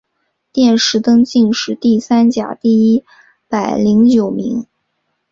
殿试登进士第三甲第一百零九名。